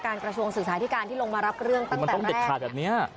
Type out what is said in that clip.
การกระชวงศึกษาอธิการที่ลงมารับเรื่องตั้งแต่แรก